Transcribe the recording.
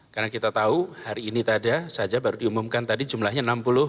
karena kita tahu hari ini tadi saja baru diumumkan tadi jumlahnya enam puluh sembilan